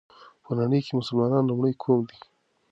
په نړۍ كې مسلمانان لومړى قوم دى